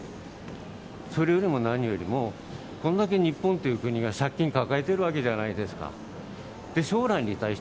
それよりも何よりも、これだけ日本という国が借金抱えてるわけじゃないですか。